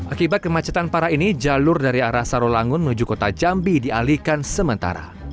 akibat kemacetan parah ini jalur dari arah sarolangun menuju kota jambi dialihkan sementara